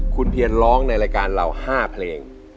คุณเพียรร้องในรายการเรา๕เพลง